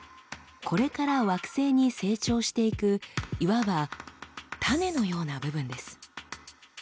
これから惑星に成長していくいわば種のような部分です。